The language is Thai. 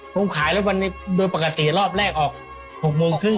ผมขายแล้ววันนี้โดยปกติรอบแรกออก๖โมงครึ่ง